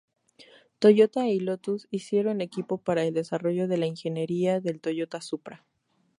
Toyota y Lotus hicieron equipo para el desarrollo de la ingeniería del Toyota Supra.